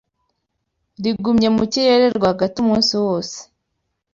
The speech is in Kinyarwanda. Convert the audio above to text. Rigumye mu kirere rwagati umunsi wose